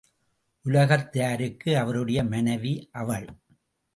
உலகத்தாருக்கு அவருடைய மனைவி அவள்.